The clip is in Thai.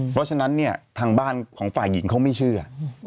เพราะฉะนั้นเนี่ยทางบ้านของฝ่ายหญิงเขาไม่เชื่อ